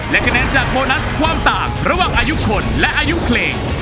และคะแนนจากโบนัสความต่างระหว่างอายุคนและอายุเพลง